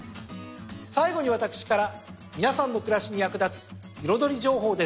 最後に私から皆さんの暮らしに役立つ彩り情報です。